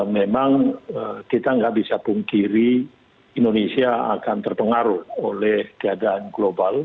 memang kita nggak bisa pungkiri indonesia akan terpengaruh oleh keadaan global